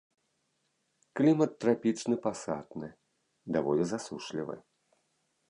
Клімат трапічны пасатны, даволі засушлівы.